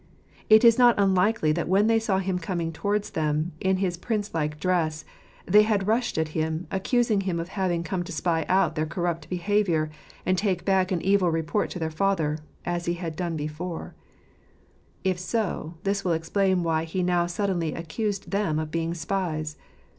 It is not unlikely that when they saw him coming towards them, in his princelike dress, they had rushed at him, accusing him of having come to spy out their corrupt behaviour, and take back an evil report to their father, as he had done before : if so, this will explain why he now suddenly accused them of being spies.